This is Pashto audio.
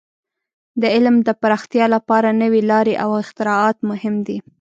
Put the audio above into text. د علم د پراختیا لپاره نوې لارې او اختراعات مهم دي.